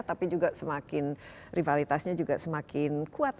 tapi juga semakin rivalitasnya juga semakin kuat